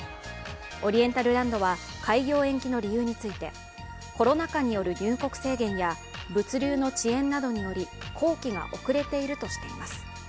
オリエンタルランドは開業延期の理由についてコロナ禍による入国制限や物流の遅延などにより工期が遅れているとしています。